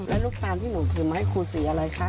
แล้วลูกตาลที่หนูถือมาให้ครูสีอะไรคะ